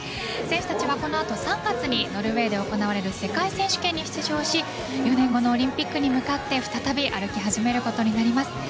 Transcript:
選手たちは、このあと３月にノルウェーで行われる世界選手権に出場し４年後のオリンピックに向かって再び歩き始めることになります。